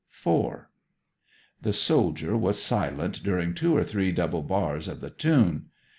IV The soldier was silent during two or three double bars of the tune.